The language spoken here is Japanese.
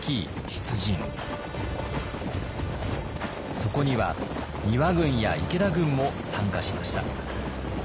そこには丹羽軍や池田軍も参加しました。